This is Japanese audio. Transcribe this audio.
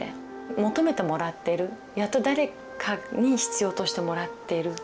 求めてもらっているやっと誰かに必要としてもらっている。